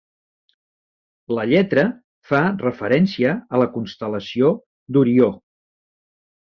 La lletra fa referència a la constel·lació d'Orió.